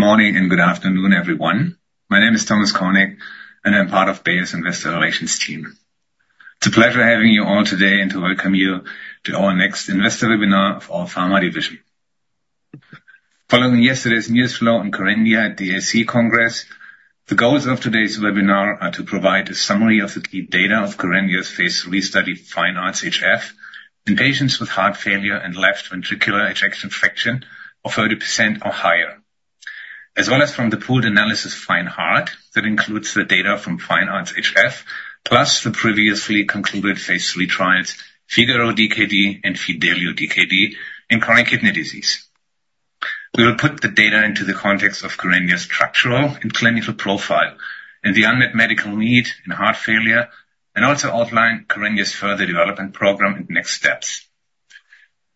Good morning and good afternoon, everyone. My name is Thomas Kühn, and I'm part of Bayer's Investor Relations team. It's a pleasure having you all today and to welcome you to our next investor webinar for our pharma division. Following yesterday's news flow on Kerendia at the ESC Congress, the goals of today's webinar are to provide a summary of the key data of Kerendia's phase III study FINEARTS-HF in patients with heart failure and left ventricular ejection fraction of 40% or higher, as well as from the pooled analysis FINE-HEART, that includes the data from FINEARTS-HF, plus the previously concluded phase III trials, FIGARO-DKD and FIDELIO-DKD in chronic kidney disease. We will put the data into the context of Kerendia's structural and clinical profile and the unmet medical need in heart failure, and also outline Kerendia's further development program and next steps.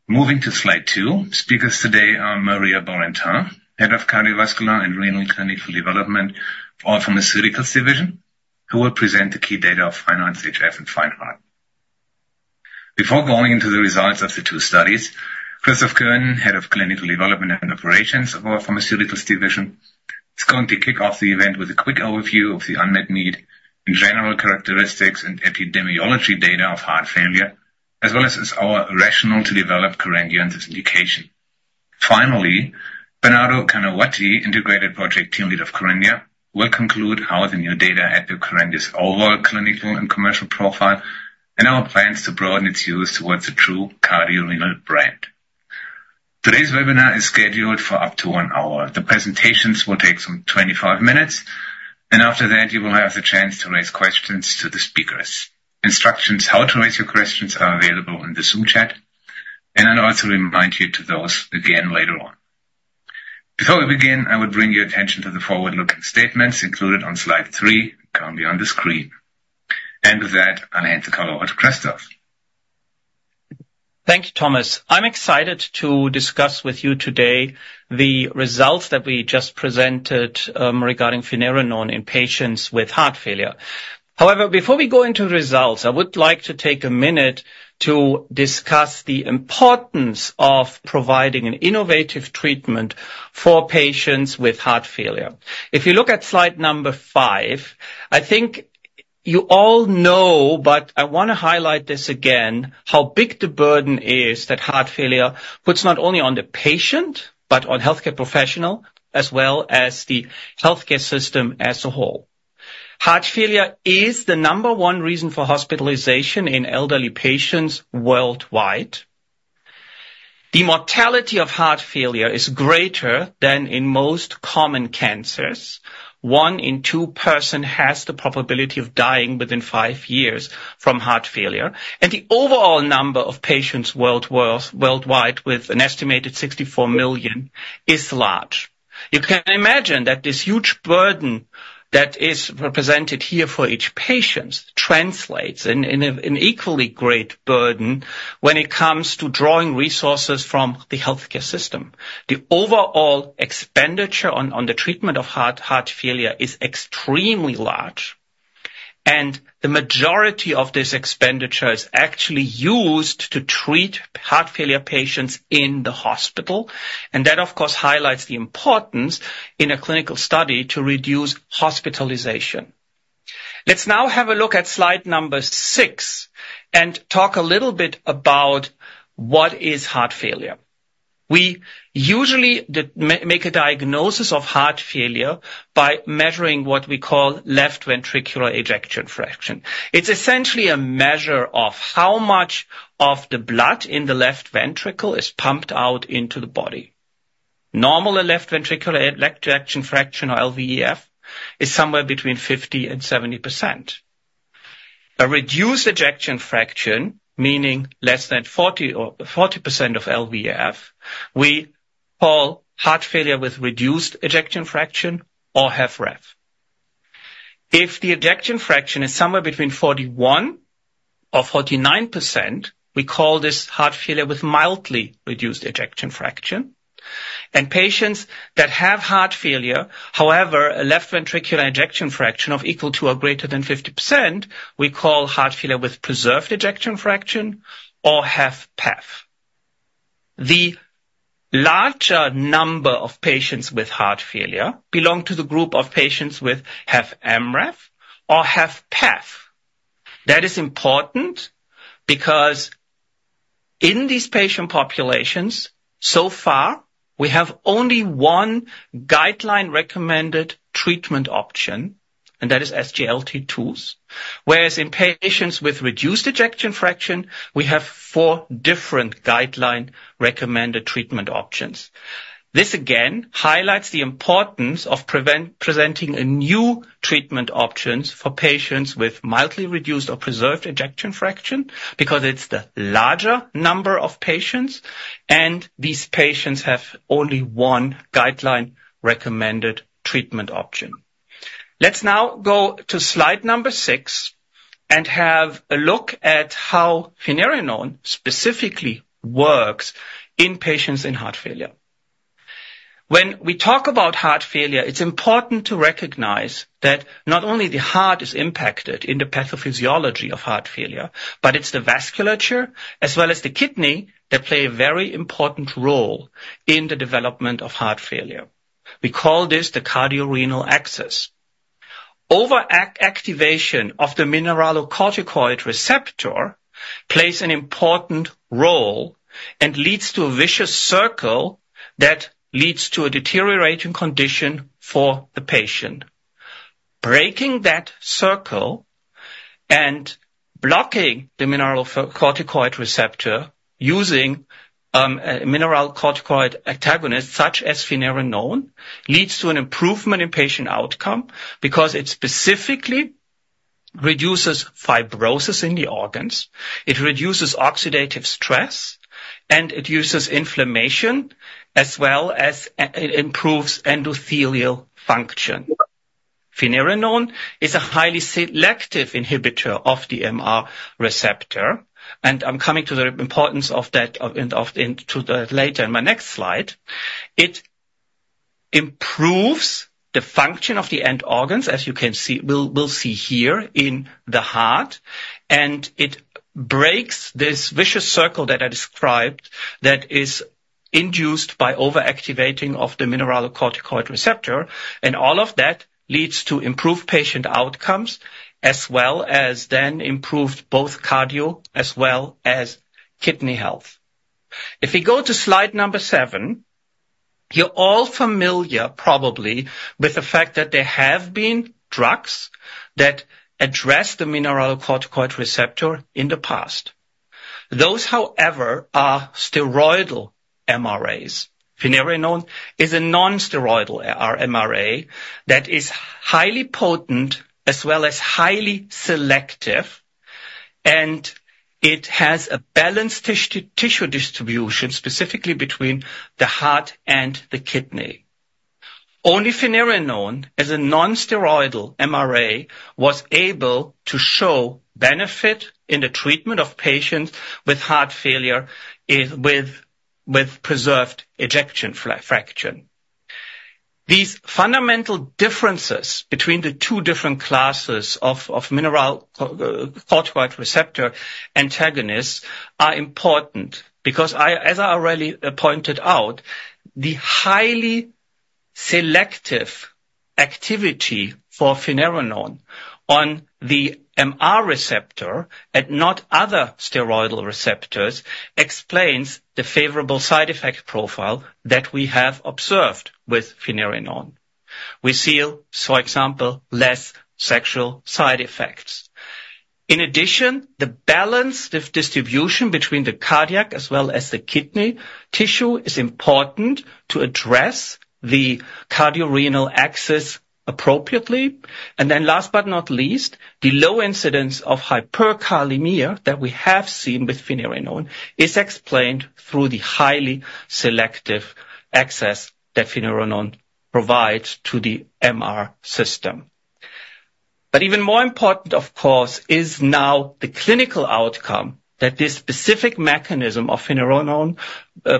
Moving to slide two, speakers today are Maria Borentain, Head of Cardiovascular and Renal Clinical Development, Pharmaceuticals Division, who will present the key data of FINEARTS-HF and FINE-HEART. Before going into the results of the two studies, Christoph Koenen, Head of Clinical Development and Operations of our Pharmaceuticals Division, is going to kick off the event with a quick overview of the unmet need in general characteristics and epidemiology data of heart failure, as well as our rationale to develop Kerendia in this indication. Finally, Bernardo Kanahuati, Integrated Project Team Lead of Kerendia, will conclude how the new data help Kerendia's overall clinical and commercial profile and our plans to broaden its use towards a true cardiorenal brand. Today's webinar is scheduled for up to one hour. The presentations will take some twenty-five minutes, and after that, you will have the chance to raise questions to the speakers. Instructions how to raise your questions are available in the Zoom chat, and I'll also remind you to those again later on. Before we begin, I would bring your attention to the forward-looking statements included on slide three, currently on the screen, and with that, I'll hand the call over to Christoph. Thank you, Thomas. I'm excited to discuss with you today the results that we just presented regarding Finerenone in patients with heart failure. However, before we go into results, I would like to take a minute to discuss the importance of providing an innovative treatment for patients with heart failure. If you look at slide number five, I think you all know, but I want to highlight this again, how big the burden is that heart failure puts not only on the patient, but on healthcare professional, as well as the healthcare system as a whole. Heart failure is the number one reason for hospitalization in elderly patients worldwide. The mortality of heart failure is greater than in most common cancers. One in two persons has the probability of dying within five years from heart failure, and the overall number of patients worldwide, with an estimated 64 million, is large. You can imagine that this huge burden that is represented here for each patient translates in an equally great burden when it comes to drawing resources from the healthcare system. The overall expenditure on the treatment of heart failure is extremely large, and the majority of this expenditure is actually used to treat heart failure patients in the hospital. And that, of course, highlights the importance in a clinical study to reduce hospitalization. Let's now have a look at slide number 6 and talk a little bit about what is heart failure. We usually make a diagnosis of heart failure by measuring what we call left ventricular ejection fraction. It's essentially a measure of how much of the blood in the left ventricle is pumped out into the body. Normal left ventricular ejection fraction, or LVEF, is somewhere between 50%-70%. A reduced ejection fraction, meaning less than 40 or 40% of LVEF, we call heart failure with reduced ejection fraction or HFrEF. If the ejection fraction is somewhere between 41%-49%, we call this heart failure with mildly reduced ejection fraction, and patients that have heart failure, however, a left ventricular ejection fraction of equal to or greater than 50%, we call heart failure with preserved ejection fraction or HFpEF. The larger number of patients with heart failure belong to the group of patients with HFrEF or HFpEF. That is important because in these patient populations, so far, we have only one guideline-recommended treatment option, and that is SGLT2s. Whereas in patients with reduced ejection fraction, we have four different guideline-recommended treatment options. This again highlights the importance of presenting a new treatment options for patients with mildly reduced or preserved ejection fraction, because it's the larger number of patients, and these patients have only one guideline-recommended treatment option. Let's now go to slide number six and have a look at how Finerenone specifically works in patients in heart failure. When we talk about heart failure, it's important to recognize that not only the heart is impacted in the pathophysiology of heart failure, but it's the vasculature, as well as the kidney, that play a very important role in the development of heart failure. We call this the cardiorenal axis. Overactivation of the mineralocorticoid receptor plays an important role and leads to a vicious circle that leads to a deteriorating condition for the patient. Breaking that circle and blocking the mineralocorticoid receptor using a mineralocorticoid antagonist, such as Finerenone, leads to an improvement in patient outcome because it specifically reduces fibrosis in the organs, it reduces oxidative stress, and it reduces inflammation, as well as it improves endothelial function. Finerenone is a highly selective inhibitor of the MR receptor, and I'm coming to the importance of that and to that later in my next slide. It improves the function of the end organs, as you can see, we'll see here in the heart, and it breaks this vicious circle that I described that is induced by overactivating of the mineralocorticoid receptor, and all of that leads to improved patient outcomes, as well as then improved both cardio as well as kidney health. If we go to slide number seven, you're all familiar, probably, with the fact that there have been drugs that address the mineralocorticoid receptor in the past. Those, however, are steroidal MRAs. Finerenone is a non-steroidal MRA that is highly potent as well as highly selective, and it has a balanced tissue distribution, specifically between the heart and the kidney. Only Finerenone, as a non-steroidal MRA, was able to show benefit in the treatment of patients with heart failure with preserved ejection fraction. These fundamental differences between the two different classes of mineralocorticoid receptor antagonists are important because as I already pointed out, the highly selective activity for Finerenone on the MR receptor, and not other steroidal receptors, explains the favorable side effect profile that we have observed with Finerenone. We see, for example, less sexual side effects. In addition, the balance of distribution between the cardiac as well as the kidney tissue is important to address the cardiorenal axis appropriately, and then last but not least, the low incidence of hyperkalemia that we have seen with Finerenone is explained through the highly selective access that Finerenone provides to the MR system, but even more important, of course, is now the clinical outcome that this specific mechanism of Finerenone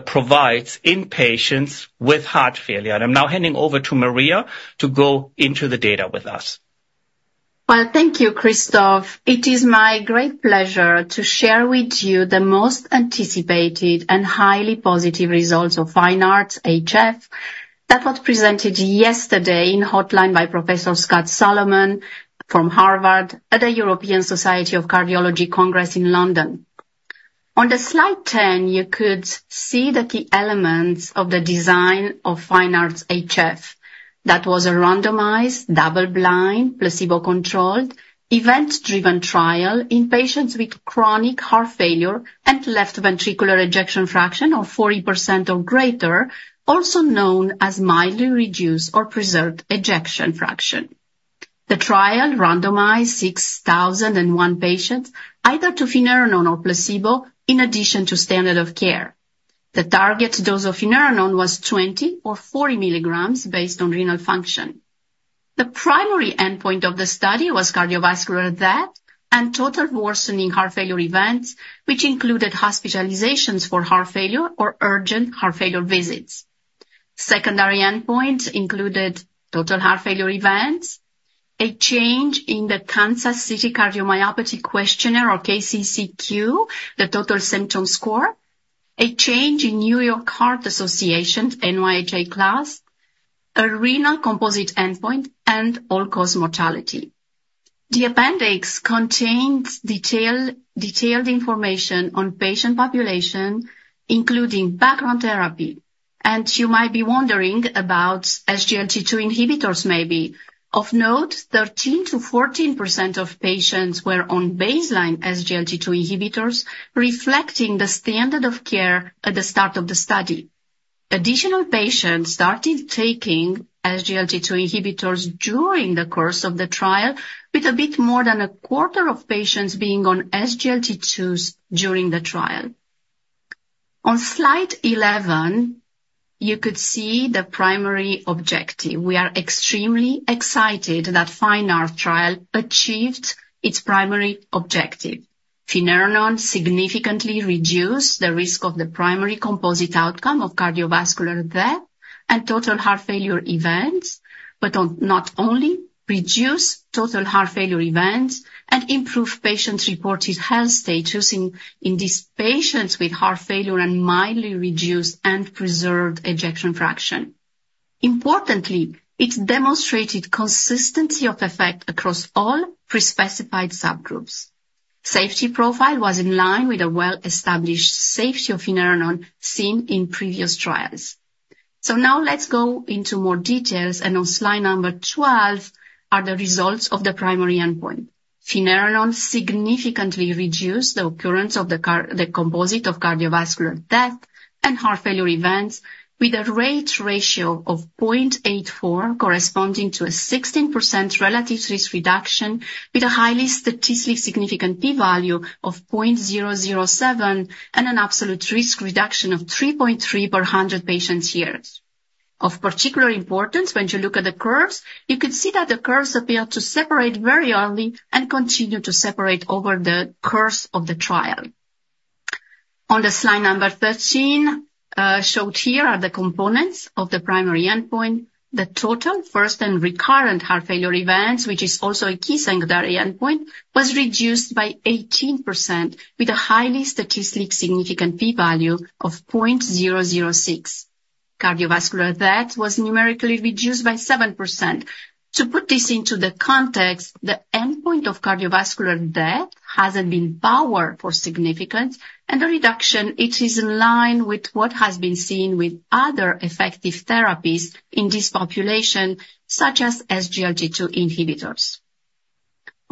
provides in patients with heart failure, and I'm now handing over to Maria to go into the data with us. Thank you, Christoph. It is my great pleasure to share with you the most anticipated and highly positive results of FINEARTS-HF that was presented yesterday in Hot Line by Professor Scott Solomon from Harvard at the European Society of Cardiology Congress in London. On slide 10, you could see the key elements of the design of FINEARTS-HF. That was a randomized, double-blind, placebo-controlled, event-driven trial in patients with chronic heart failure and left ventricular ejection fraction of 40% or greater, also known as mildly reduced or preserved ejection fraction. The trial randomized 6,001 patients, either to Finerenone or placebo, in addition to standard of care. The target dose of Finerenone was 20 or 40 milligrams based on renal function. The primary endpoint of the study was cardiovascular death and total worsening heart failure events, which included hospitalizations for heart failure or urgent heart failure visits. Secondary endpoints included total heart failure events, a change in the Kansas City Cardiomyopathy Questionnaire or KCCQ, the total symptom score, a change in New York Heart Association, NYHA class, a renal composite endpoint, and all-cause mortality. The appendix contains detailed information on patient population, including background therapy, and you might be wondering about SGLT2 inhibitors, maybe. Of note, 13%-14% of patients were on baseline SGLT2 inhibitors, reflecting the standard of care at the start of the study. Additional patients started taking SGLT2 inhibitors during the course of the trial, with a bit more than a quarter of patients being on SGLT2s during the trial. On slide 11, you could see the primary objective. We are extremely excited that FINEARTS-HF trial achieved its primary objective. Finerenone significantly reduced the risk of the primary composite outcome of cardiovascular death and total heart failure events, but not only reduced total heart failure events and improved patients' reported health status in these patients with heart failure and mildly reduced and preserved ejection fraction. Importantly, it demonstrated consistency of effect across all pre-specified subgroups. Safety profile was in line with a well-established safety of Finerenone seen in previous trials. So now let's go into more details, and on slide number twelve are the results of the primary endpoint. Finerenone significantly reduced the occurrence of the composite of cardiovascular death and heart failure events, with a rate ratio of 0.84, corresponding to a 16% relative risk reduction, with a highly statistically significant P value of 0.007 and an absolute risk reduction of 3.3 per 100 patient years. Of particular importance, when you look at the curves, you can see that the curves appear to separate very early and continue to separate over the course of the trial. On the slide number 13, showed here are the components of the primary endpoint. The total first and recurrent heart failure events, which is also a key secondary endpoint, was reduced by 18% with a highly statistically significant P value of 0.006. Cardiovascular death was numerically reduced by 7%. To put this into the context, the endpoint of cardiovascular death hasn't been powered for significance, and the reduction, it is in line with what has been seen with other effective therapies in this population, such as SGLT2 inhibitors.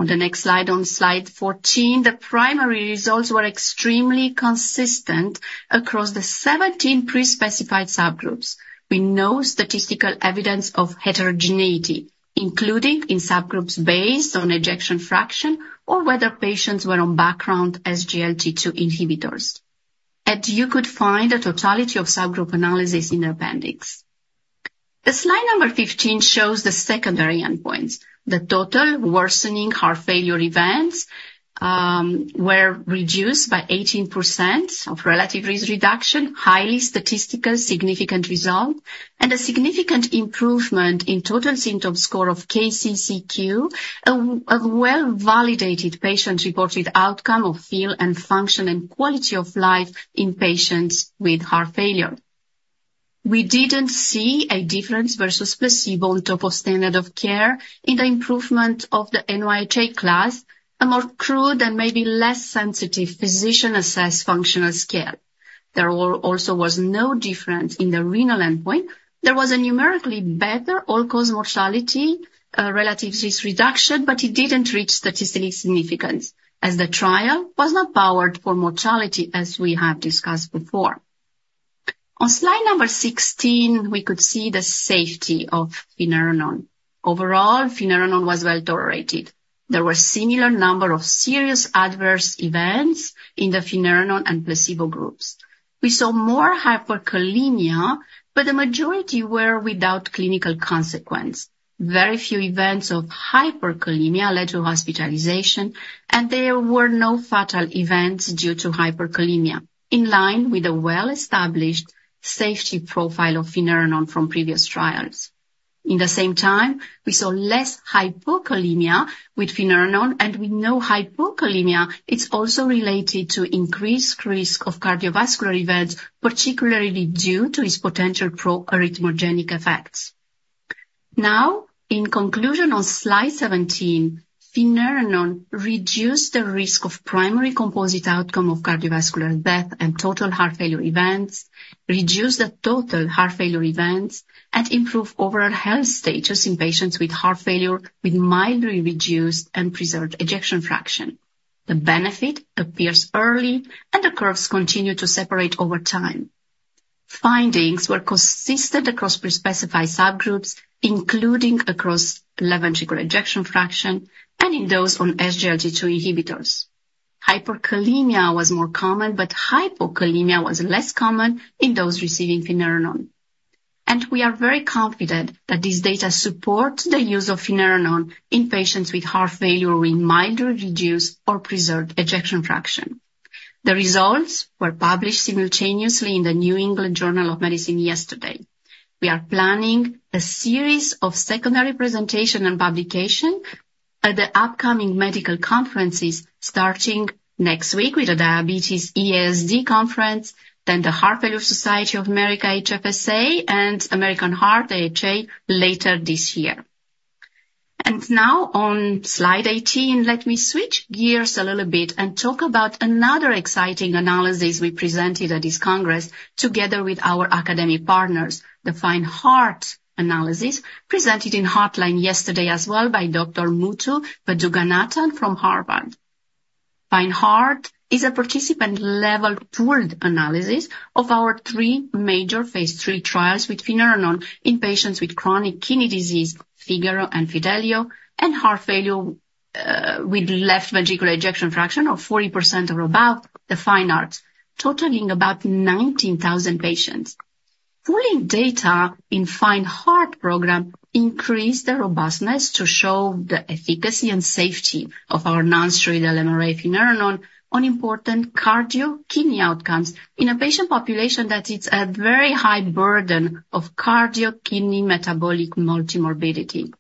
On the next slide, on slide fourteen, the primary results were extremely consistent across the seventeen pre-specified subgroups, with no statistical evidence of heterogeneity, including in subgroups based on ejection fraction or whether patients were on background SGLT2 inhibitors. You could find the totality of subgroup analysis in the appendix. The slide number fifteen shows the secondary endpoints. The total worsening heart failure events were reduced by 18% relative risk reduction, highly statistical, significant result, and a significant improvement in total symptom score of KCCQ, a well-validated patient-reported outcome of feel and function and quality of life in patients with heart failure. We didn't see a difference versus placebo on top of standard of care in the improvement of the NYHA class, a more crude and maybe less sensitive physician-assessed functional scale. There also was no difference in the renal endpoint. There was a numerically better all-cause mortality, relative risk reduction, but it didn't reach statistical significance as the trial was not powered for mortality, as we have discussed before. On slide number 16, we could see the safety of Finerenone. Overall, Finerenone was well tolerated. There were similar number of serious adverse events in the Finerenone and placebo groups. We saw more hyperkalemia, but the majority were without clinical consequence. Very few events of hyperkalemia led to hospitalization, and there were no fatal events due to hyperkalemia, in line with a well-established safety profile of Finerenone from previous trials. In the same time, we saw less hypokalemia with Finerenone, and we know hypokalemia, it's also related to increased risk of cardiovascular events, particularly due to its potential pro-arrhythmogenic effects. Now, in conclusion, on slide seventeen, Finerenone reduced the risk of primary composite outcome of cardiovascular death and total heart failure events, reduced the total heart failure events, and improved overall health status in patients with heart failure, with mildly reduced and preserved ejection fraction. The benefit appears early, and the curves continue to separate over time. Findings were consistent across pre-specified subgroups, including across left ventricular ejection fraction and in those on SGLT2 inhibitors. Hyperkalemia was more common, but hypokalemia was less common in those receiving Finerenone. And we are very confident that these data support the use of Finerenone in patients with heart failure with mildly reduced or preserved ejection fraction. The results were published simultaneously in The New England Journal of Medicine yesterday. We are planning a series of secondary presentation and publication at the upcoming medical conferences, starting next week with the Diabetes EASD Conference, then the Heart Failure Society of America, HFSA, and American Heart Association, AHA, later this year. Now on Slide 18, let me switch gears a little bit and talk about another exciting analysis we presented at this congress together with our academic partners, the FINE-HEART analysis, presented in Hot Line yesterday as well by Dr. Muthu Vaduganathan from Harvard. FINE-HEART is a participant-level pooled analysis of our three major phase III trials with Finerenone in patients with chronic kidney disease, FIGARO and FIDELIO, and heart failure with left ventricular ejection fraction of 40% or above, the FINE-HEART, totaling about 19,000 patients. Pooling data in the FINE-HEART program increased the robustness to show the efficacy and safety of our non-steroidal MRA Finerenone on important cardiorenal outcomes in a patient population that is at very high burden of cardiorenal metabolic multimorbidity.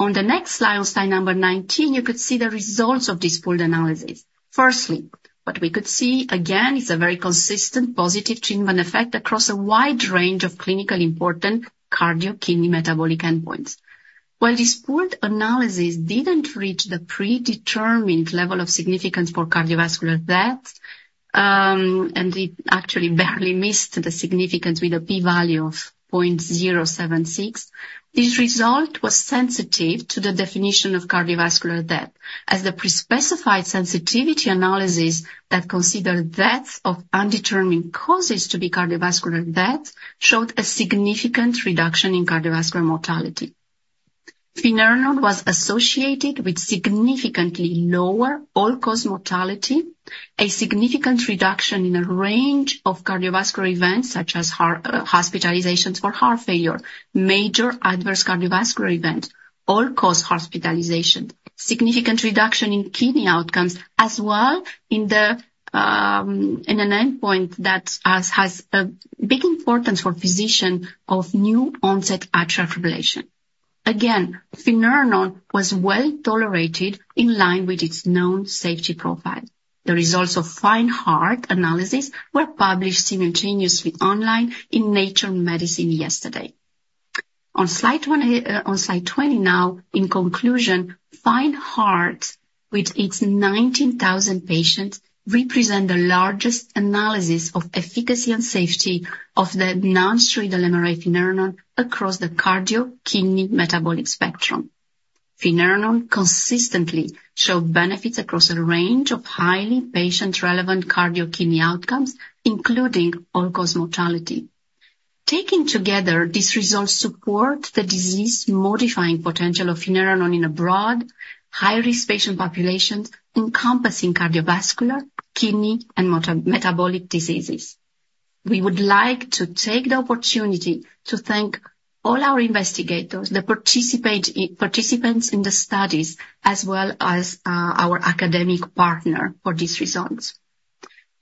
On the next slide, on slide number 19, you could see the results of this pooled analysis. Firstly, what we could see, again, is a very consistent positive treatment effect across a wide range of clinically important cardiorenal metabolic endpoints. While this pooled analysis didn't reach the predetermined level of significance for cardiovascular death, and it actually barely missed the significance with a P value of 0.076, this result was sensitive to the definition of cardiovascular death. As the pre-specified sensitivity analysis that considered deaths of undetermined causes to be cardiovascular death showed a significant reduction in cardiovascular mortality. Finerenone was associated with significantly lower all-cause mortality, a significant reduction in a range of cardiovascular events such as hospitalizations for heart failure, major adverse cardiovascular event, all-cause hospitalization, significant reduction in kidney outcomes, as well as in the in an endpoint that has a big importance for physicians of new onset atrial fibrillation. Again, Finerenone was well tolerated in line with its known safety profile. The results of FINE-HEART analysis were published simultaneously online in Nature Medicine yesterday. On slide 1, on slide 20 now, in conclusion, FINE-HEART, with its 19,000 patients, represent the largest analysis of efficacy and safety of the non-steroidal MRA Finerenone across the cardio, kidney, metabolic spectrum. Finerenone consistently showed benefits across a range of highly patient-relevant cardio kidney outcomes, including all-cause mortality. Taken together, these results support the disease-modifying potential of Finerenone in a broad, high-risk patient population encompassing cardiovascular, kidney, and metabolic diseases. We would like to take the opportunity to thank all our investigators, the participants in the studies, as well as our academic partner for these results.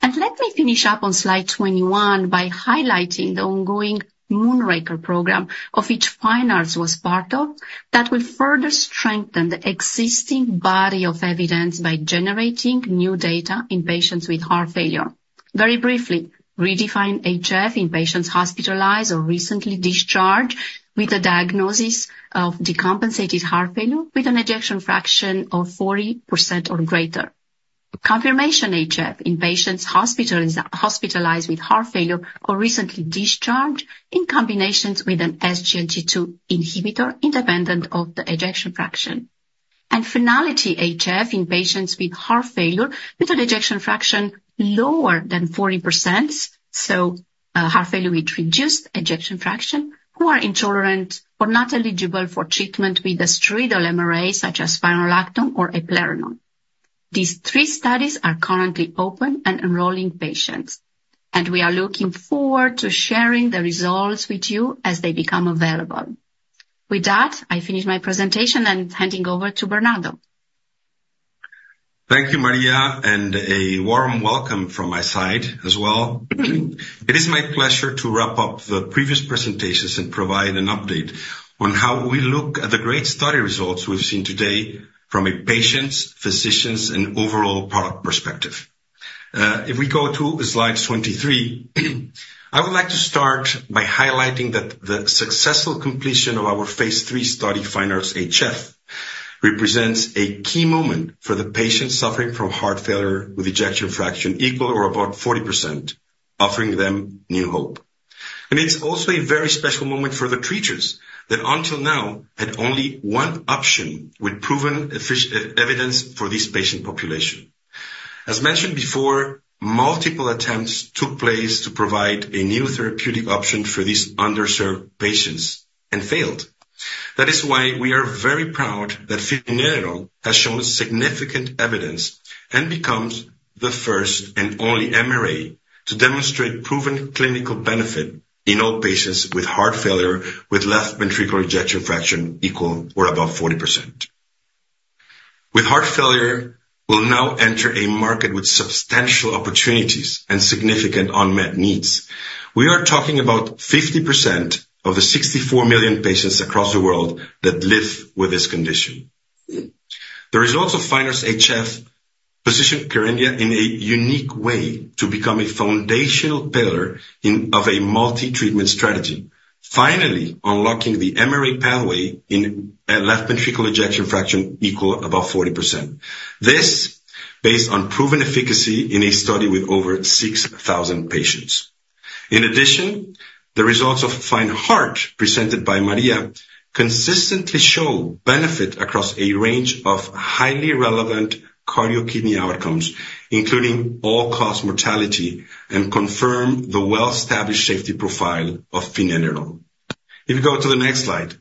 Let me finish up on slide 21 by highlighting the ongoing MOONRAKER program, of which FINEARTS-HF was part of, that will further strengthen the existing body of evidence by generating new data in patients with heart failure. Very briefly, REDEFINE-HF in patients hospitalized or recently discharged with a diagnosis of decompensated heart failure, with an ejection fraction of 40% or greater. CONFIRMATION-HF in patients hospitalized with heart failure or recently discharged in combination with an SGLT2 inhibitor, independent of the ejection fraction. And FINALITY-HF in patients with heart failure, with an ejection fraction lower than 40%, so heart failure with reduced ejection fraction, who are intolerant or not eligible for treatment with the steroidal MRAs, such as spironolactone or eplerenone. These three studies are currently open and enrolling patients, and we are looking forward to sharing the results with you as they become available. With that, I finish my presentation and handing over to Bernardo. Thank you, Maria, and a warm welcome from my side as well. It is my pleasure to wrap up the previous presentations and provide an update on how we look at the great study results we've seen today from a patient's, physician's, and overall product perspective. If we go to slide 23, I would like to start by highlighting that the successful completion of our phase 3 study, FINEARTS-HF, represents a key moment for the patients suffering from heart failure with ejection fraction equal or above 40%, offering them new hope, and it's also a very special moment for the treaters that until now had only one option with proven efficacy evidence for this patient population. As mentioned before, multiple attempts took place to provide a new therapeutic option for these underserved patients, and failed. That is why we are very proud that Finerenone has shown significant evidence and becomes the first and only MRA to demonstrate proven clinical benefit in all patients with heart failure, with left ventricular ejection fraction equal or above 40%. With heart failure, we'll now enter a market with substantial opportunities and significant unmet needs. We are talking about 50% of the 64 million patients across the world that live with this condition. The results of FINEARTS-HF position Kerendia in a unique way to become a foundational pillar in, of a multi-treatment strategy, finally unlocking the MRA pathway in a left ventricular ejection fraction equal above 40%. This, based on proven efficacy in a study with over 6,000 patients. In addition, the results of FINE-HEART, presented by Maria, consistently show benefit across a range of highly relevant cardio-kidney outcomes, including all-cause mortality, and confirm the well-established safety profile of Finerenone. If you go to the next slide,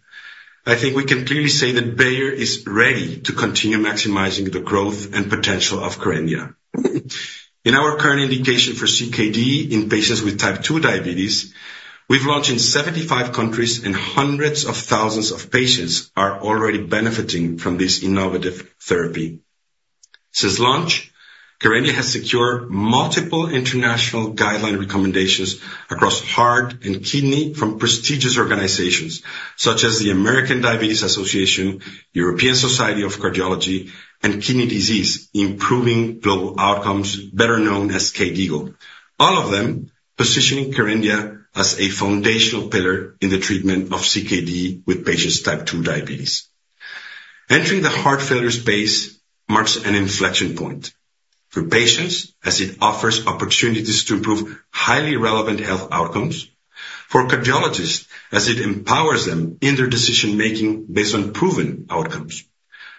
I think we can clearly say that Bayer is ready to continue maximizing the growth and potential of Kerendia. In our current indication for CKD in patients with type 2 diabetes, we've launched in 75 countries, and hundreds of thousands of patients are already benefiting from this innovative therapy. Since launch, Kerendia has secured multiple international guideline recommendations across heart and kidney from prestigious organizations, such as the American Diabetes Association, European Society of Cardiology, and Kidney Disease: Improving Global Outcomes, better known as KDIGO. All of them positioning Kerendia as a foundational pillar in the treatment of CKD in patients with type 2 diabetes. Entering the heart failure space marks an inflection point for patients as it offers opportunities to improve highly relevant health outcomes, for cardiologists as it empowers them in their decision-making based on proven outcomes,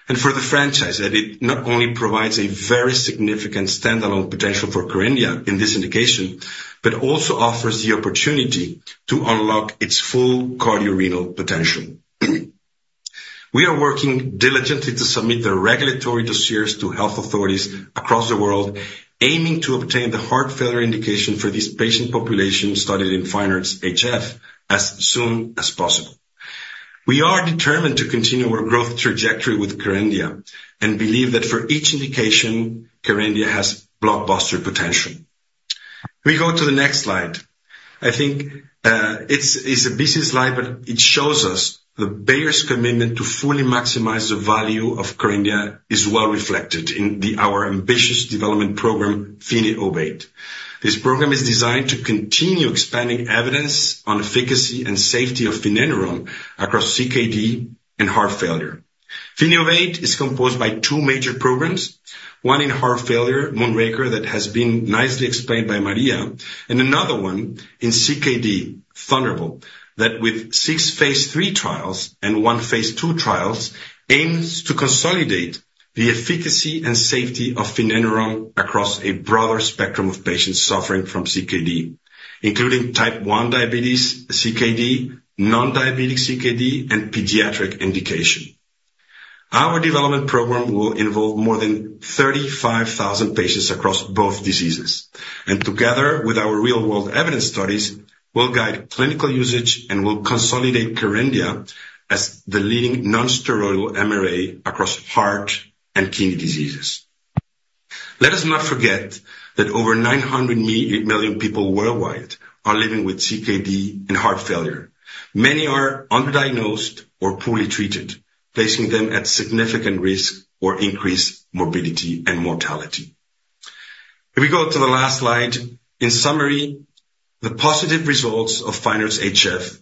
and for the franchise, that it not only provides a very significant standalone potential for Kerendia in this indication, but also offers the opportunity to unlock its full cardiorenal potential. We are working diligently to submit the regulatory dossiers to health authorities across the world, aiming to obtain the heart failure indication for this patient population studied in FINEARTS-HF as soon as possible. We are determined to continue our growth trajectory with Kerendia and believe that for each indication, Kerendia has blockbuster potential. We go to the next slide. I think, it's a busy slide, but it shows us that Bayer's commitment to fully maximize the value of Kerendia is well reflected in our ambitious development program, FINNOVATE. This program is designed to continue expanding evidence on efficacy and safety of Finerenone across CKD and heart failure. FINNOVATE is composed by two major programs, one in heart failure, MOONRAKER, that has been nicely explained by Maria, and another one in CKD, THUNDERBOLT, that with six phase three trials and one phase two trials, aims to consolidate the efficacy and safety of Finerenone across a broader spectrum of patients suffering from CKD, including type 1 diabetes, CKD, non-diabetes CKD, and pediatric indication. Our development program will involve more than thirty-five thousand patients across both diseases, and together with our real-world evidence studies, will guide clinical usage and will consolidate Kerendia as the leading non-steroidal MRA across heart and kidney diseases. Let us not forget that over nine hundred million people worldwide are living with CKD and heart failure. Many are underdiagnosed or poorly treated, placing them at significant risk or increased morbidity and mortality. If we go to the last slide. In summary, the positive results of FINEARTS-HF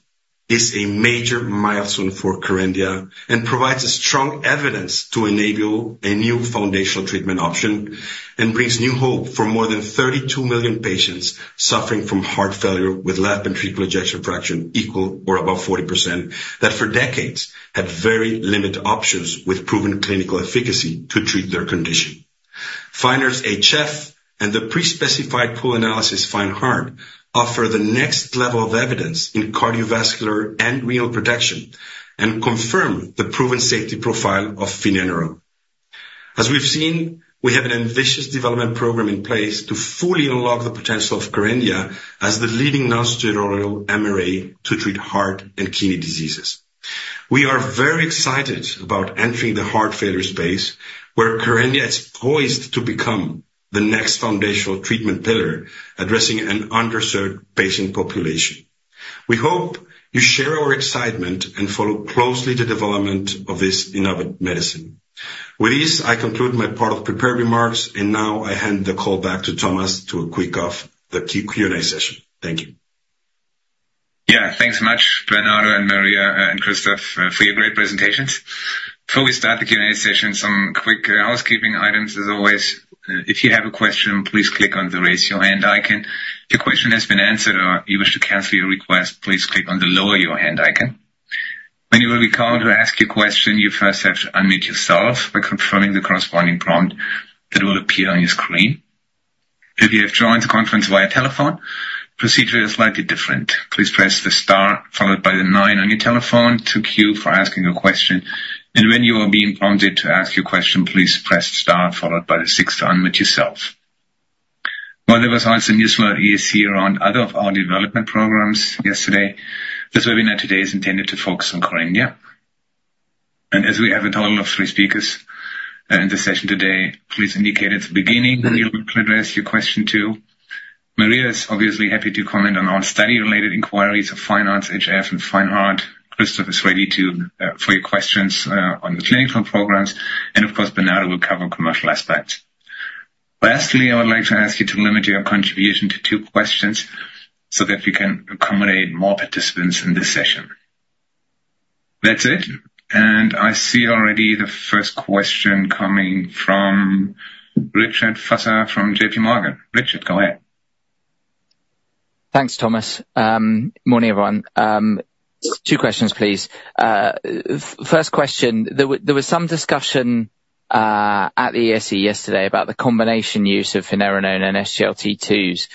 is a major milestone for Kerendia and provides a strong evidence to enable a new foundational treatment option and brings new hope for more than thirty-two million patients suffering from heart failure with left ventricular ejection fraction equal or above 40%, that for decades had very limited options with proven clinical efficacy to treat their condition. FINEARTS-HF and the pre-specified pooled analysis, FINE-HEART, offer the next level of evidence in cardiovascular and renal protection and confirm the proven safety profile of Finerenone. As we've seen, we have an ambitious development program in place to fully unlock the potential of Kerendia as the leading nonsteroidal MRA to treat heart and kidney diseases. We are very excited about entering the heart failure space, where Kerendia is poised to become the next foundational treatment pillar, addressing an underserved patient population. We hope you share our excitement and follow closely the development of this innovative medicine. With this, I conclude my part of prepared remarks, and now I hand the call back to Thomas to kick off the Q&A session. Thank you. Yeah, thanks so much, Bernardo and Maria, and Christoph, for your great presentations. Before we start the Q&A session, some quick housekeeping items. As always, if you have a question, please click on the Raise Your Hand icon. If your question has been answered or you wish to cancel your request, please click on the Lower Your Hand icon. When you will be called to ask your question, you first have to unmute yourself by confirming the corresponding prompt that will appear on your screen. If you have joined the conference via telephone, procedure is slightly different. Please press the star followed by the nine on your telephone to queue for asking a question, and when you are being prompted to ask your question, please press star followed by the six to unmute yourself. While there was also news from ESC around other of our development programs yesterday, this webinar today is intended to focus on Kerendia, and as we have a total of three speakers in the session today, please indicate at the beginning who you would address your question to. Maria is obviously happy to comment on all study-related inquiries of FINEARTS-HF and FINE-HEART. Christoph is ready to for your questions on the clinical programs, and of course, Bernardo will cover commercial aspects. Lastly, I would like to ask you to limit your contribution to two questions so that we can accommodate more participants in this session. That's it, and I see already the first question coming from Richard Vosser from JPMorgan. Richard, go ahead. Thanks, Thomas. Morning, everyone. Two questions, please. First question, there was some discussion at the ESC yesterday about the combination use of Finerenone and SGLT2s.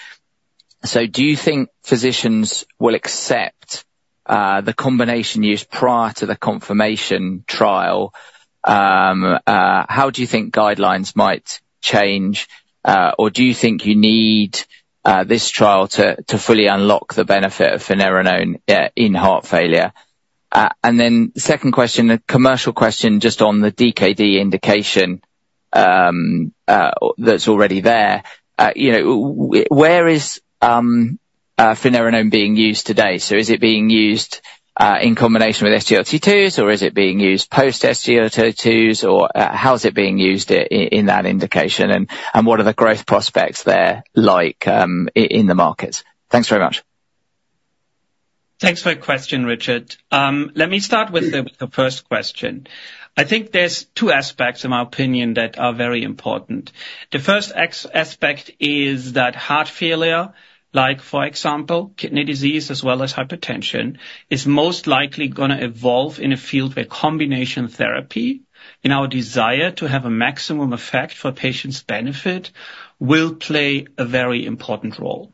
So do you think physicians will accept the combination use prior to the confirmation trial? How do you think guidelines might change, or do you think you need this trial to fully unlock the benefit of Finerenone in heart failure?... And then second question, a commercial question, just on the DKD indication, that's already there. You know, where is Finerenone being used today? So is it being used in combination with SGLT2s, or is it being used post-SGLT2s, or how is it being used in that indication? And what are the growth prospects there, like, in the markets? Thanks very much. Thanks for the question, Richard. Let me start with the first question. I think there's two aspects, in my opinion, that are very important. The first aspect is that heart failure, like, for example, kidney disease as well as hypertension, is most likely gonna evolve in a field where combination therapy, in our desire to have a maximum effect for patient's benefit, will play a very important role.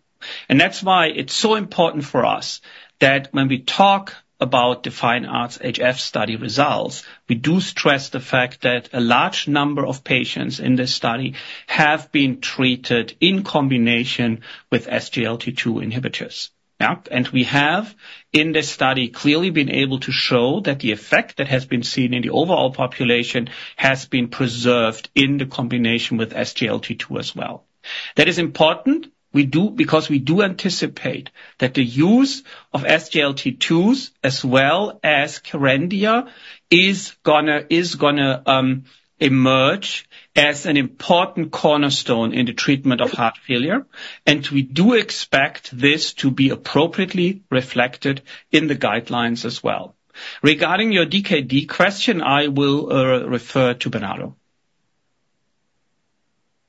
And that's why it's so important for us that when we talk about the FINEARTS-HF study results, we do stress the fact that a large number of patients in this study have been treated in combination with SGLT2 inhibitors. Yeah. And we have, in this study, clearly been able to show that the effect that has been seen in the overall population has been preserved in the combination with SGLT2 as well. That is important. We do because we do anticipate that the use of SGLT2s, as well as Kerendia, is gonna emerge as an important cornerstone in the treatment of heart failure, and we do expect this to be appropriately reflected in the guidelines as well. Regarding your DKD question, I will refer to Bernardo.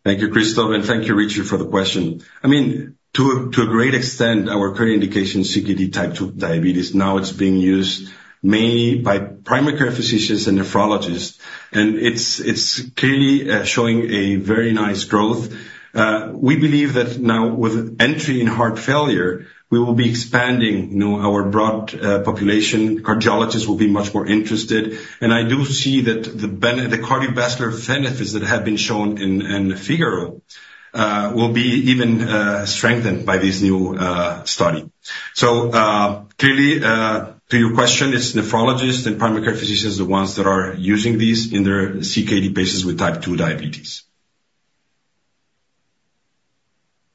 Thank you, Christoph, and thank you, Richard, for the question. I mean, to a great extent, our current indication, CKD Type 2 diabetes, now it's being used mainly by primary care physicians and nephrologists, and it's clearly showing a very nice growth. We believe that now with entry in heart failure, we will be expanding, you know, our broad population. Cardiologists will be much more interested. And I do see that the cardiovascular benefits that have been shown in FIGARO will be even strengthened by this new study. So, clearly, to your question, it's nephrologists and primary care physicians are the ones that are using these in their CKD patients with type 2 diabetes.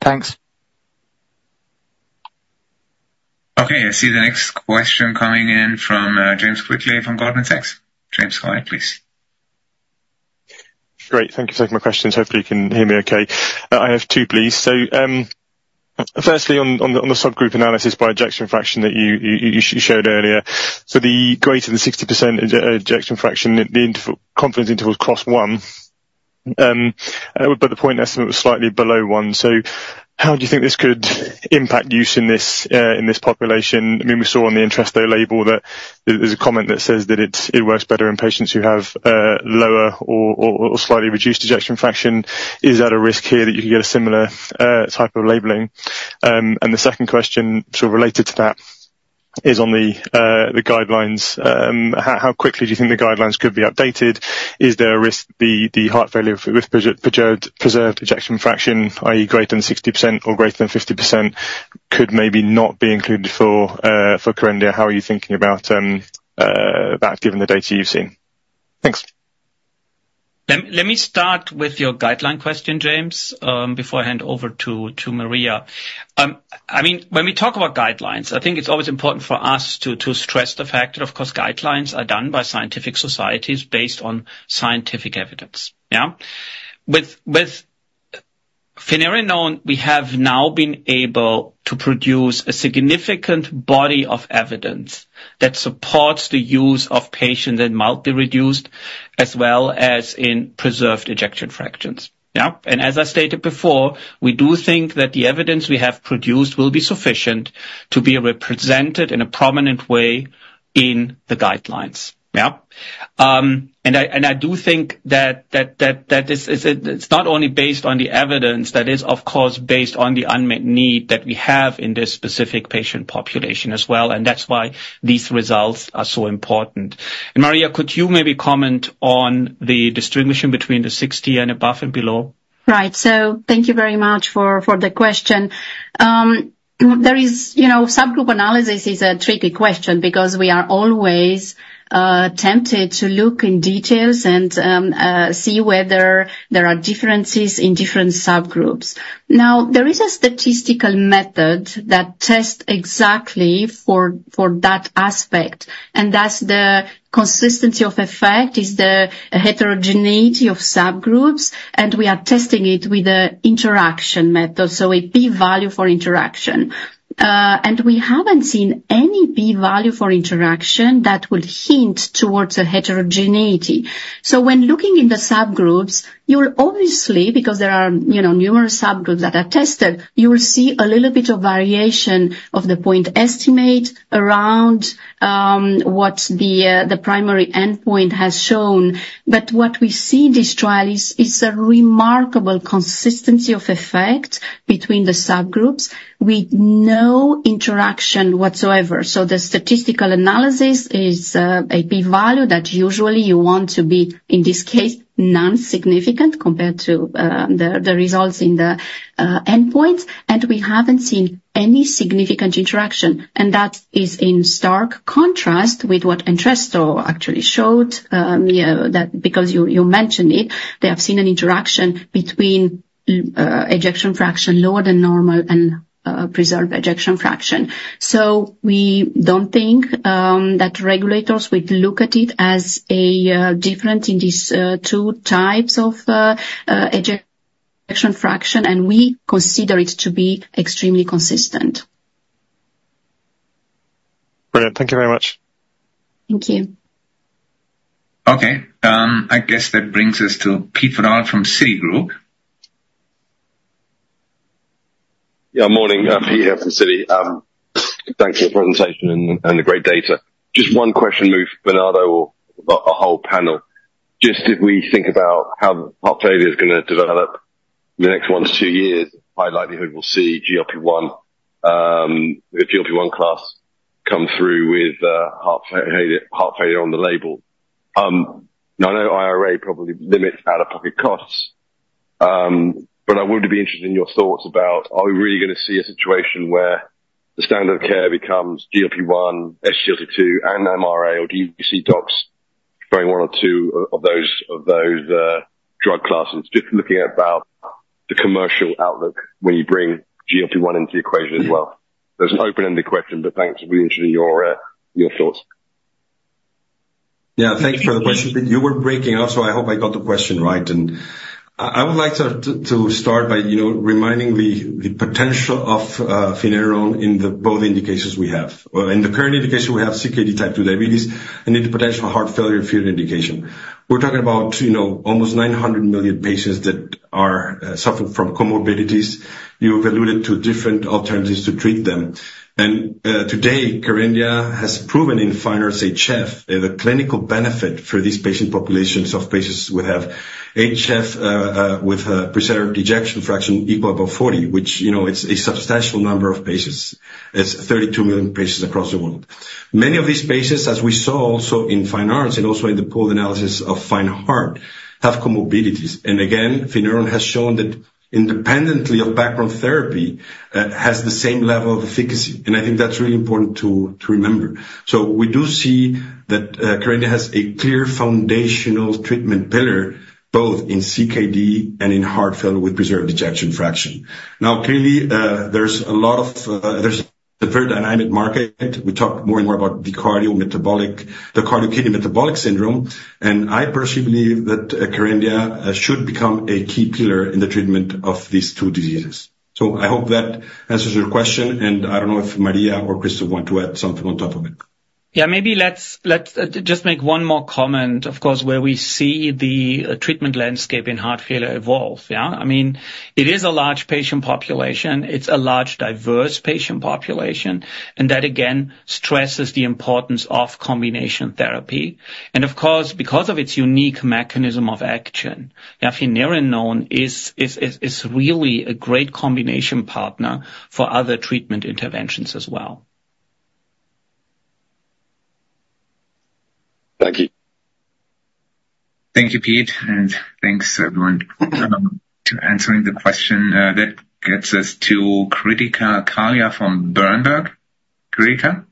Thanks. Okay, I see the next question coming in from James Quigley from Goldman Sachs. James, go ahead, please. Great. Thank you for taking my questions. Hopefully, you can hear me okay. I have two, please. So, firstly, on the subgroup analysis by ejection fraction that you showed earlier, so the greater the 60% ejection fraction, the confidence interval crossed one, but the point estimate was slightly below one, so how do you think this could impact use in this population? I mean, we saw on the Entresto label that there's a comment that says that it works better in patients who have lower or slightly reduced ejection fraction. Is that a risk here, that you could get a similar type of labeling, and the second question, sort of related to that, is on the guidelines. How quickly do you think the guidelines could be updated? Is there a risk the heart failure with preserved ejection fraction, i.e., greater than 60% or greater than 50%, could maybe not be included for Kerendia? How are you thinking about that, given the data you've seen? Thanks. Let me start with your guideline question, James, before I hand over to Maria. I mean, when we talk about guidelines, I think it's always important for us to stress the fact that, of course, guidelines are done by scientific societies based on scientific evidence. Yeah. With Finerenone, we have now been able to produce a significant body of evidence that supports the use of patients in mildly reduced as well as in preserved ejection fractions. Yeah, and as I stated before, we do think that the evidence we have produced will be sufficient to be represented in a prominent way in the guidelines. Yeah. I do think that it is not only based on the evidence, that is, of course, based on the unmet need that we have in this specific patient population as well, and that's why these results are so important. Maria, could you maybe comment on the distinction between the 60 and above and below? Right. So thank you very much for the question. There is... You know, subgroup analysis is a tricky question because we are always tempted to look in details and see whether there are differences in different subgroups. Now, there is a statistical method that tests exactly for that aspect, and that's the consistency of effect, is the heterogeneity of subgroups, and we are testing it with a interaction method, so a p-value for interaction. And we haven't seen any p-value for interaction that would hint towards a heterogeneity. So when looking in the subgroups, you'll obviously, because there are, you know, numerous subgroups that are tested, you will see a little bit of variation of the point estimate around what the the primary endpoint has shown. But what we see in this trial is a remarkable consistency of effect between the subgroups with no interaction whatsoever. So the statistical analysis is a p-value that usually you want to be, in this case, non-significant compared to the results in the endpoint. And we haven't seen any significant interaction, and that is in stark contrast with what Entresto actually showed. You know, that because you mentioned it, they have seen an interaction between ejection fraction lower than normal and preserved ejection fraction. So we don't think that regulators would look at it as a different in these two types of ejection fraction, and we consider it to be extremely consistent. Brilliant. Thank you very much. Thank you. Okay, I guess that brings us to Peter Verdult from Citigroup. Yeah, morning, Pete here from Citi. Thanks for the presentation and the great data. Just one question maybe for Bernardo or the whole panel. Just if we think about how heart failure is going to develop in the next one to two years, high likelihood we'll see GLP-1, the GLP-1 class come through with heart failure on the label. Now I know IRA probably limits out-of-pocket costs, but I would be interested in your thoughts about, are we really going to see a situation where the standard of care becomes GLP-1, SGLT2, and MRA, or do you see docs trying one or two of those drug classes? Just looking at about the commercial outlook when you bring GLP-1 into the equation as well. There's an open-ended question, but thanks, we're interested in your thoughts. Yeah, thanks for the question. You were breaking up, so I hope I got the question right. I would like to start by, you know, reminding the potential of Finerenone in both indications we have. In the current indication, we have CKD type two diabetes and the potential heart failure field indication. We're talking about, you know, almost 900 million patients that are suffering from comorbidities. You've alluded to different alternatives to treat them. And today, Kerendia has proven in FINEARTS-HF the clinical benefit for these patient populations of patients who have HF with preserved ejection fraction equal above 40, which, you know, it's a substantial number of patients. It's 32 million patients across the world. Many of these patients, as we saw also in FINEARTS and also in the pooled analysis of FINE-HEART, have comorbidities. Again, Finerenone has shown that independently of background therapy has the same level of efficacy, and I think that's really important to remember. So we do see that Kerendia has a clear foundational treatment pillar, both in CKD and in heart failure with preserved ejection fraction. Now, clearly, there's a very dynamic market. We talk more and more about the cardiometabolic, the cardio-kidney metabolic syndrome, and I personally believe that Kerendia should become a key pillar in the treatment of these two diseases. So I hope that answers your question, and I don't know if Maria or Christoph want to add something on top of it. Yeah, maybe let's just make one more comment, of course, where we see the treatment landscape in heart failure evolve, yeah? I mean, it is a large patient population. It's a large, diverse patient population, and that again stresses the importance of combination therapy, and of course, because of its unique mechanism of action, Finerenone is really a great combination partner for other treatment interventions as well. Thank you. Thank you, Pete, and thanks, everyone, to answering the question, that gets us to Kritika Kalia from Berenberg. Kritika?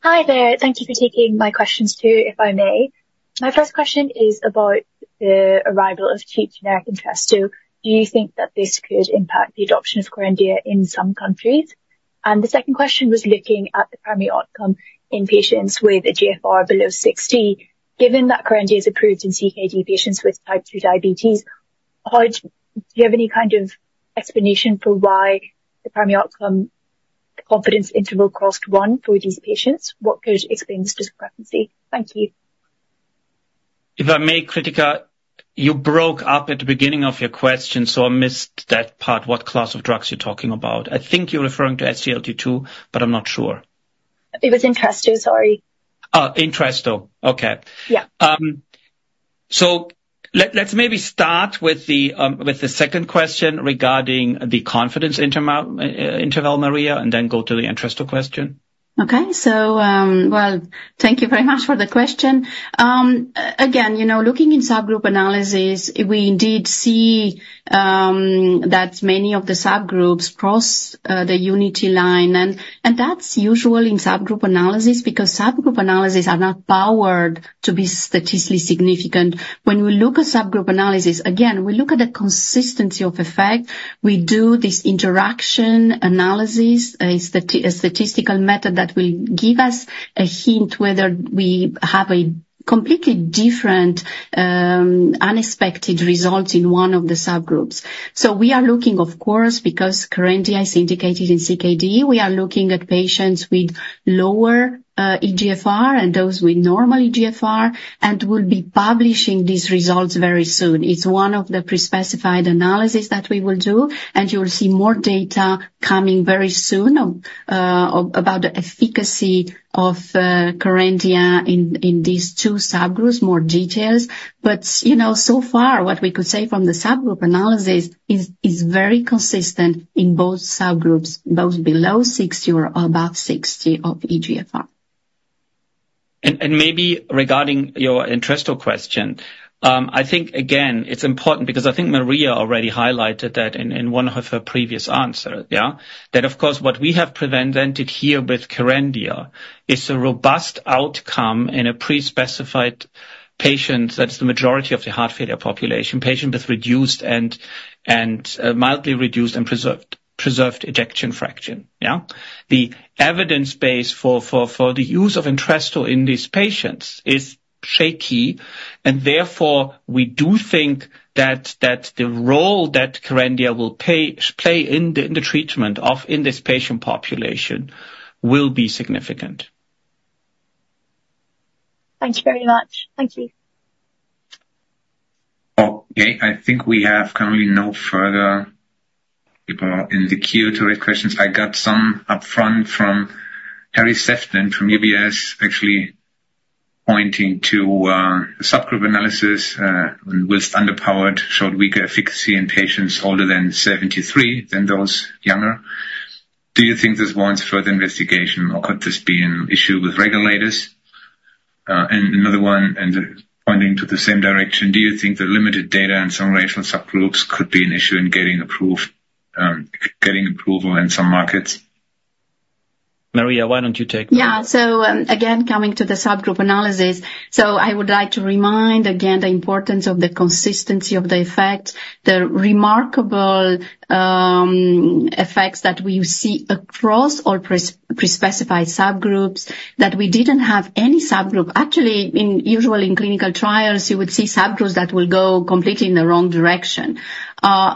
Hi there. Thank you for taking my questions, too, if I may. My first question is about the arrival of cheap generic Entresto. So do you think that this could impact the adoption of Kerendia in some countries? And the second question was looking at the primary outcome in patients with eGFR below 60. Given that Kerendia is approved in CKD patients with type 2 diabetes, do you have any kind of explanation for why the primary outcome confidence interval crossed 1 for these patients? What could explain this discrepancy? Thank you. If I may, Kritika, you broke up at the beginning of your question, so I missed that part, what class of drugs you're talking about? I think you're referring to SGLT2, but I'm not sure. It was Entresto, sorry. Oh, Entresto. Okay. Yeah. Let's maybe start with the second question regarding the confidence interval, Maria, and then go to the Entresto question. Okay. So, well, thank you very much for the question. Again, you know, looking in subgroup analysis, we indeed see that many of the subgroups cross the unity line, and that's usual in subgroup analysis, because subgroup analysis are not powered to be statistically significant. When we look at subgroup analysis, again, we look at the consistency of effect. We do this interaction analysis, statistical method that will give us a hint whether we have a completely different unexpected result in one of the subgroups. So we are looking, of course, because currently, it's indicated in CKD, we are looking at patients with lower eGFR and those with normal eGFR, and we'll be publishing these results very soon. It's one of the pre-specified analysis that we will do, and you will see more data coming very soon, about the efficacy of Kerendia in these two subgroups, more details. But, you know, so far, what we could say from the subgroup analysis is very consistent in both subgroups, both below sixty or above sixty of eGFR. Maybe regarding your Entresto question, I think again, it's important because I think Maria already highlighted that in one of her previous answers. That, of course, what we have presented here with Kerendia is a robust outcome in a pre-specified patient population that's the majority of the heart failure population, with reduced and mildly reduced and preserved ejection fraction. The evidence base for the use of Entresto in these patients is shaky, and therefore, we do think that the role that Kerendia will play in the treatment of this patient population will be significant. Thanks very much. Thank you. Okay, I think we have currently no further people in the queue to raise questions. I got some upfront from Harry Sephton from UBS, actually pointing to subgroup analysis, and was underpowered, showed weaker efficacy in patients older than seventy-three than those younger. Do you think this warrants further investigation, or could this be an issue with regulators? And another one, and pointing to the same direction, do you think the limited data in some racial subgroups could be an issue in getting approved, getting approval in some markets? Maria, why don't you take that? Yeah. So, again, coming to the subgroup analysis. So I would like to remind again the importance of the consistency of the effect, the remarkable, effects that we see across all prespecified subgroups, that we didn't have any subgroup. Actually, usually in clinical trials, you would see subgroups that will go completely in the wrong direction.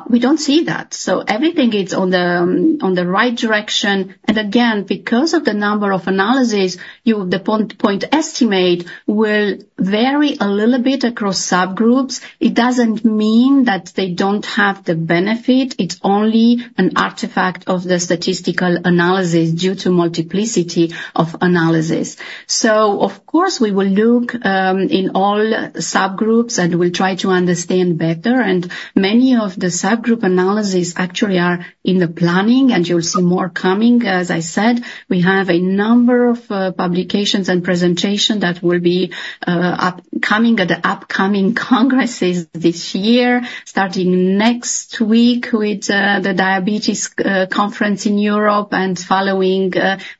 We don't see that. So everything is on the right direction, and again, because of the number of analyses, the point estimate will vary a little bit across subgroups. It doesn't mean that they don't have the benefit. It's only an artifact of the statistical analysis due to multiplicity of analysis. So of course, we will look in all subgroups, and we'll try to understand better, and many of the subgroup analyses actually are in the planning, and you'll see more coming. As I said, we have a number of publications and presentation that will be upcoming at the upcoming congresses this year, starting next week with the diabetes conference in Europe and following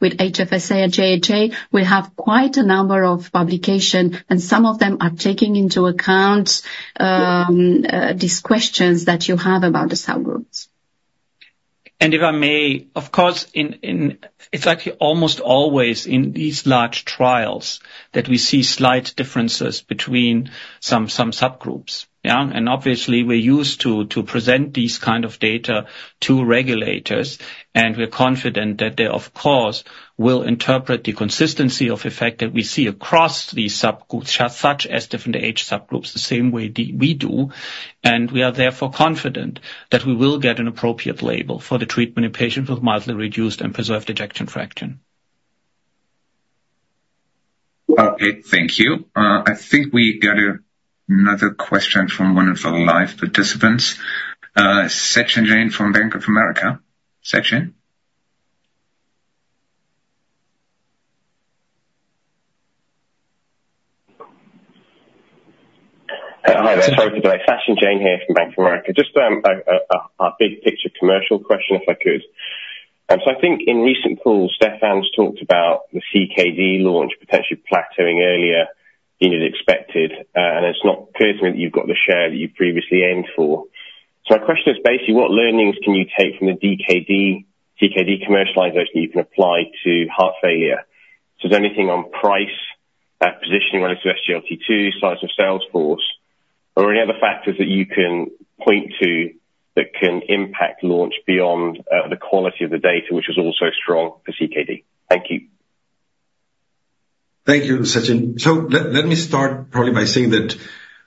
with HFSA and JHA. We have quite a number of publication, and some of them are taking into account these questions that you have about the subgroups. And if I may, of course, it's actually almost always in these large trials that we see slight differences between some subgroups, yeah? And obviously, we're used to present these kind of data to regulators, and we're confident that they, of course, will interpret the consistency of effect that we see across these subgroups, such as different age subgroups, the same way that we do. And we are therefore confident that we will get an appropriate label for the treatment of patients with mildly reduced and preserved ejection fraction. Okay, thank you. I think we got another question from one of the live participants, Sachin Jain from Bank of America. Sachin? Hi there. Sorry for delay. Sachin Jain here from Bank of America. Just a big picture commercial question, if I could, so I think in recent calls, Stefan's talked about the CKD launch potentially plateauing earlier than is expected, and it's not clear that you've got the share that you previously aimed for, so my question is basically, what learnings can you take from the DKD-CKD commercialization that you can apply to heart failure, so is there anything on price, positioning when it comes to SGLT2, size of sales force, or any other factors that you can point to that can impact launch beyond the quality of the data, which is also strong for CKD? Thank you. Thank you, Sachin. So let me start probably by saying that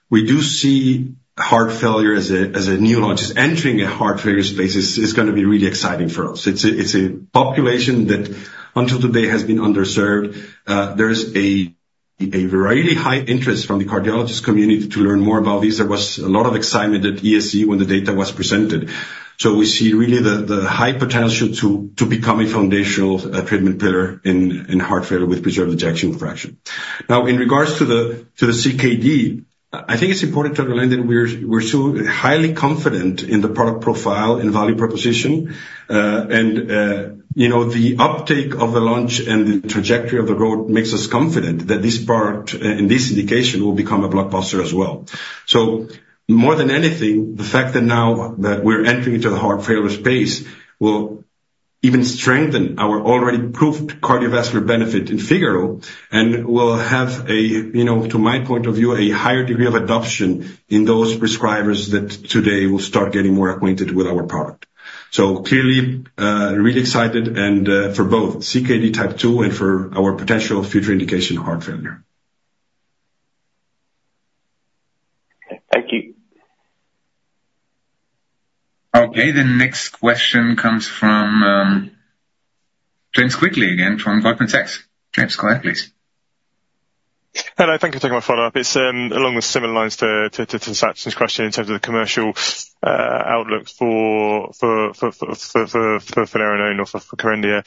we do see heart failure as a, as a new launch. Entering a heart failure space is gonna be really exciting for us. It's a population that, until today, has been underserved. There is a really high interest from the cardiologist community to learn more about this. There was a lot of excitement at ESC when the data was presented. So we see really the high potential to become a foundational treatment pillar in heart failure with preserved ejection fraction. Now, in regards to the CKD, I think it's important to underline that we're so highly confident in the product profile and value proposition. And, you know, the uptake of the launch and the trajectory of the road makes us confident that this product, in this indication, will become a blockbuster as well. So more than anything, the fact that now that we're entering into the heart failure space will even strengthen our already proved cardiovascular benefit in FIGARO and will have a, you know, to my point of view, a higher degree of adoption in those prescribers that today will start getting more acquainted with our product. So clearly, really excited and, for both CKD type two and for our potential future indication, heart failure. Thank you. Okay, the next question comes from James Quigley again, from Goldman Sachs. James, go ahead, please. Hello, thank you for taking my follow-up. It's along the similar lines to Sachin's question in terms of the commercial outlook for Finerenone or for Kerendia.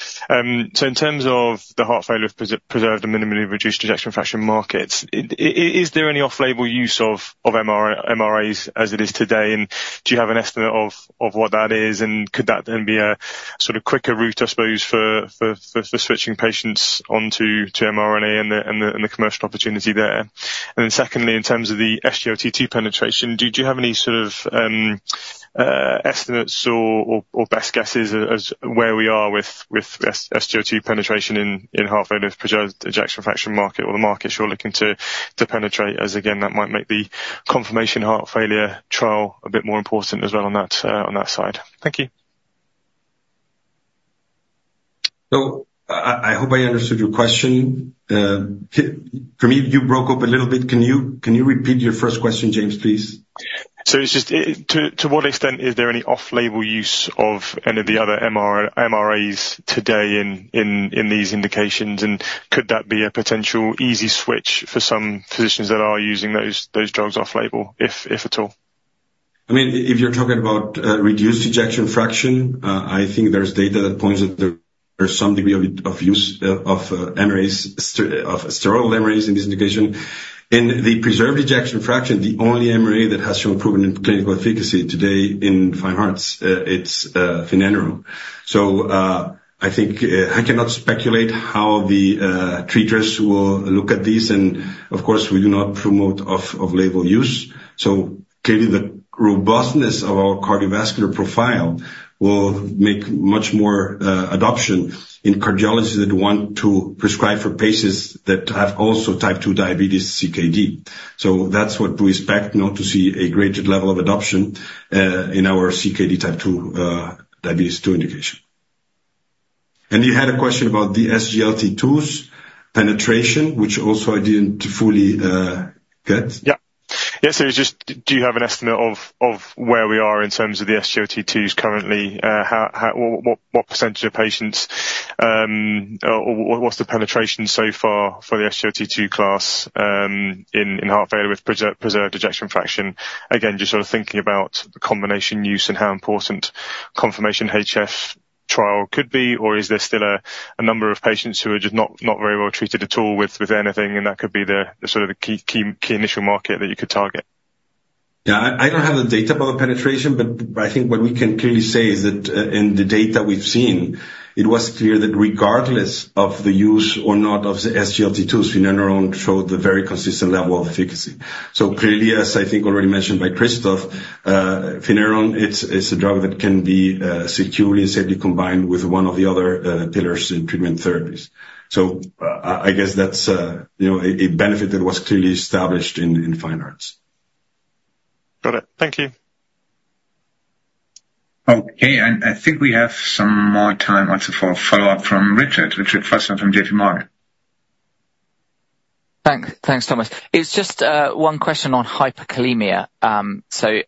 So in terms of the heart failure, preserved and mildly reduced ejection fraction markets, is there any off-label use of MRAs as it is today, and do you have an estimate of what that is, and could that then be a sort of quicker route, I suppose, for switching patients onto MRA and the commercial opportunity there? Secondly, in terms of the SGLT2 penetration, do you have any sort of estimates or best guesses as where we are with SGLT2 penetration in heart failure with preserved ejection fraction market or the markets you're looking to penetrate, as again, that might make the CONFIRMATION-HF trial a bit more important as well on that, on that side? Thank you. So I hope I understood your question. For me, you broke up a little bit. Can you repeat your first question, James, please? So it's just to what extent is there any off-label use of any of the other MRAs today in these indications? And could that be a potential easy switch for some physicians that are using those drugs off label, if at all? I mean, if you're talking about reduced ejection fraction, I think there's data that points that there's some degree of use of MRAs, of steroidal MRAs in this indication. In the preserved ejection fraction, the only MRA that has shown proven in clinical efficacy today in FINE-HEART, it's Finerenone. So, I think I cannot speculate how the treaters will look at this, and of course, we do not promote off-label use. So clearly, the robustness of our cardiovascular profile will make much more adoption in cardiologists that want to prescribe for patients that have also type two diabetes, CKD. So that's what we expect now to see a greater level of adoption in our CKD type two diabetes indication. You had a question about the SGLT2s penetration, which also I didn't fully get. Yeah. Yes, so it's just do you have an estimate of where we are in terms of the SGLT2s currently? How... What percentage of patients, or what's the penetration so far for the SGLT2 class, in heart failure with preserved ejection fraction? Again, just sort of thinking about the combination use and how important CONFIRMATION-HF trial could be, or is there still a number of patients who are just not very well treated at all with anything, and that could be the sort of the key initial market that you could target. Yeah, I don't have the data about the penetration, but I think what we can clearly say is that, in the data we've seen, it was clear that regardless of the use or not of the SGLT2, Finerenone showed a very consistent level of efficacy. So clearly, as I think already mentioned by Christoph, Finerenone. It's a drug that can be securely and safely combined with one of the other pillars in treatment therapies. So I guess that's, you know, a benefit that was clearly established in FINE-HEART. Got it. Thank you. Okay, and I think we have some more time also for a follow-up from Richard. Richard Vosser from J.P. Morgan. Thanks, Thomas. It's just one question on hyperkalemia. So-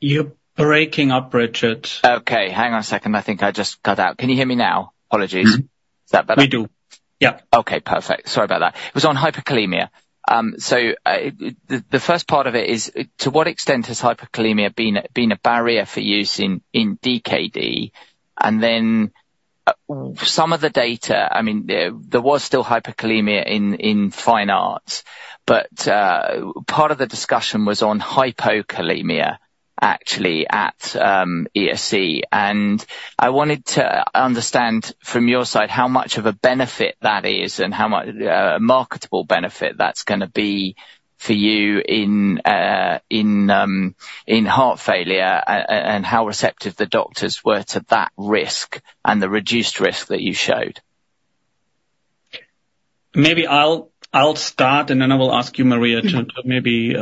You're breaking up, Richard. Okay. Hang on a second. I think I just cut out. Can you hear me now? Apologies. Mm-hmm. Is that better? We do. Yeah. Okay, perfect. Sorry about that. It was on hyperkalemia. The first part of it is, to what extent has hyperkalemia been a barrier for use in DKD? And then some of the data, I mean, there was still hyperkalemia in FINE-HEART, but part of the discussion was on hypokalemia, actually at ESC. And I wanted to understand from your side, how much of a benefit that is and how much marketable benefit that's gonna be for you in heart failure, and how receptive the doctors were to that risk and the reduced risk that you showed. Maybe I'll start, and then I will ask you, Maria- Mm-hmm. to maybe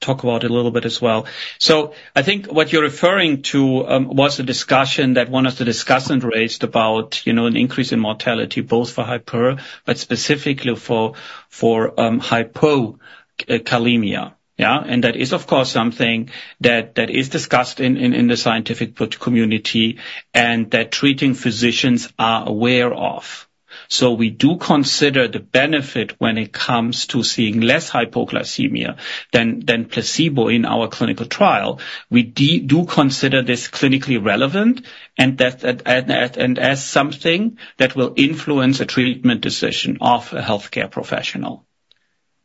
talk about it a little bit as well. So I think what you're referring to was a discussion that one of the discussants raised about, you know, an increase in mortality, both for hyperkalemia, but specifically for hypokalemia. Yeah, and that is, of course, something that is discussed in the scientific community and that treating physicians are aware of. So we do consider the benefit when it comes to seeing less hypokalemia than placebo in our clinical trial. We do consider this clinically relevant, and that as something that will influence a treatment decision of a healthcare professional.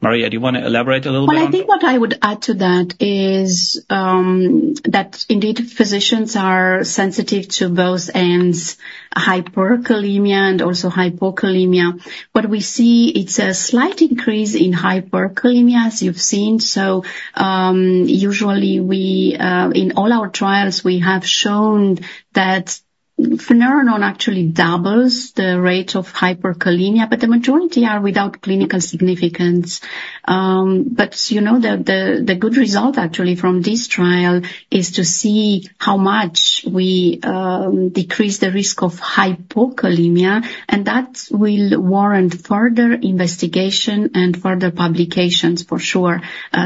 Maria, do you want to elaborate a little bit? I think what I would add to that is that indeed, physicians are sensitive to both ends, hyperkalemia and also hypokalemia. What we see, it's a slight increase in hyperkalemia, as you've seen. So, usually, in all our trials, we have shown that Finerenone actually doubles the rate of hyperkalemia, but the majority are without clinical significance. But you know, the good result, actually, from this trial is to see how much we decrease the risk of hypokalemia, and that will warrant further investigation and further publications, for sure,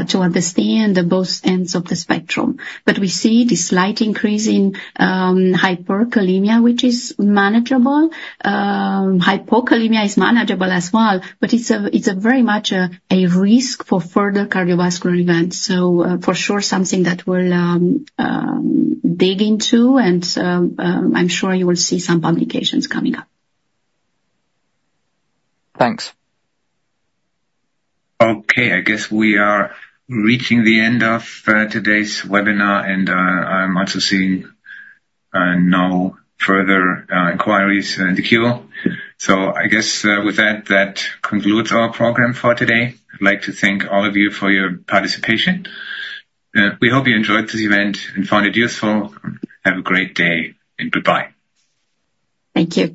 to understand both ends of the spectrum. But we see this slight increase in hyperkalemia, which is manageable. Hypokalemia is manageable as well, but it's very much a risk for further cardiovascular events. So, for sure, something that we'll dig into, and I'm sure you will see some publications coming up. Thanks. Okay, I guess we are reaching the end of today's webinar, and I'm also seeing no further inquiries in the queue. So I guess with that, that concludes our program for today. I'd like to thank all of you for your participation. We hope you enjoyed this event and found it useful. Have a great day, and goodbye. Thank you.